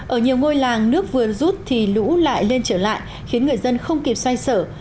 ở nhiều ngôi làng nước vừa rút thì lũ lại lên trở lại khiến người dân không kịp xoay sở